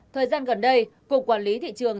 thời gian gần đây cục quản lý thị trường